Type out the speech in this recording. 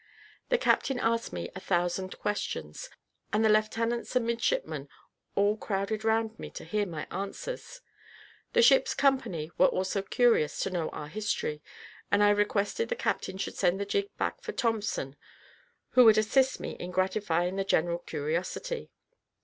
The captain asked me a thousand questions, and the lieutenants and midshipmen all crowded round me to hear my answers. The ship's company were also curious to know our history, and I requested the captain would send the gig back for Thompson, who would assist me in gratifying the general curiosity.